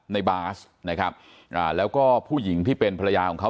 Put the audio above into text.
ในบ้าร์สแล้วก็ผู้หญิงที่เป็นภรรยาของ